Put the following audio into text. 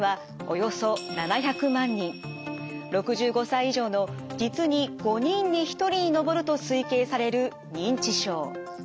６５歳以上の実に５人に１人に上ると推計される認知症。